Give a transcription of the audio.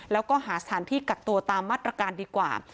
แล้วก็หาสถานที่กักตัวตามมาตรการดีกว่า